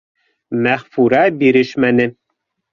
Мәғфүрә бирешмәне: